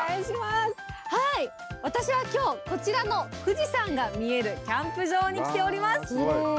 私はきょう、こちらの富士山が見えるキャンプ場に来ております。